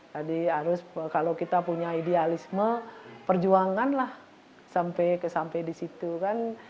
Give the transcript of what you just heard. jadi harus kalau kita punya idealisme perjuanganlah sampai di situ kan